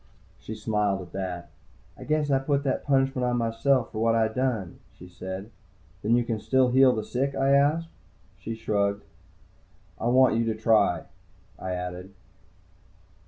She smiled at that. "I guess I put that punishment on myself for what I done," she said. "Then you can still heal the sick?" I asked. She shrugged. "I want you to try," I added.